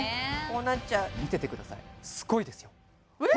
こうなっちゃう見ててくださいすごいですよえ！？